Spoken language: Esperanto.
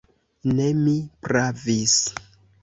Ne, mi pravis!